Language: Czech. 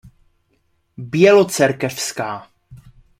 Bělocerkevská.